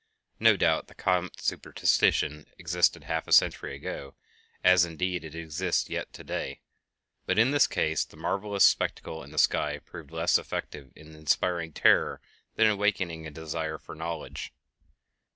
No doubt the comet superstition existed half a century ago, as, indeed, it exists yet today, but in this case the marvelous spectacle in the sky proved less effective in inspiring terror than in awakening a desire for knowledge.